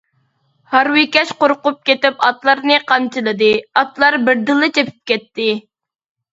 ھارۋىكەش قورقۇپ كېتىپ ئاتلارنى قامچىلىدى، ئاتلار بىردىنلا چېپىپ كەتتى.